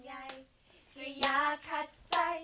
ใจก็เพราะฉันเอาแต่ใจ